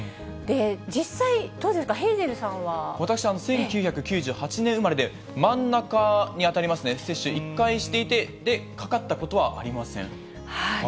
実際、どうですか、私、１９９８年生まれで、真ん中に当たりますね、接種１回していて、かかったことはありません。